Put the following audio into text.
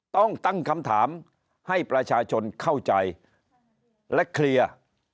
ต้องตั้งคำถามให้ประชาชนเข้าใจและเคลียร์